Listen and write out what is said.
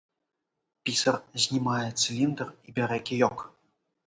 Пісар знімае цыліндр і бярэ кіёк.